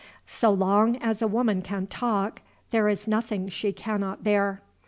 So long as a woman can talk, there is nothing she cannot bear.